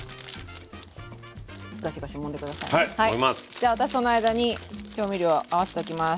じゃあ私その間に調味料合わせておきます。